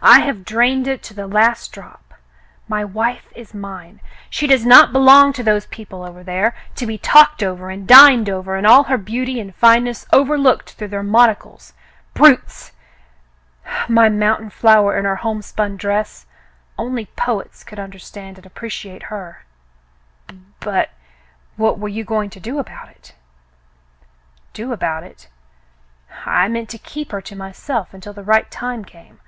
I have drained it to the last drop. My wife is mine. She does not belong to those people over there, to be talked over, and dined over, and all her beauty and fineness overlooked through their mon ocles — brutes ! My mountain flower in her homespun dress — only poets could understand and appreciate her." "B — but what were you going to do about it .f* " Do about it.^ I meant to keep her to myself until the right time came.